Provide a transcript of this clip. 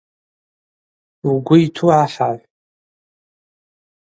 Угвы йту гӏахӏахӏв.